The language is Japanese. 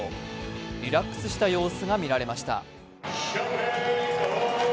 リラックスした様子が見られました。